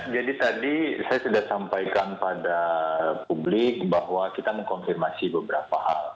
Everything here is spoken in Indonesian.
jadi tadi saya sudah sampaikan pada publik bahwa kita mengkonfirmasi beberapa hal